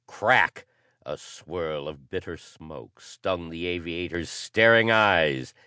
Crack! A swirl of bitter smoke stung the aviator's staring eyes.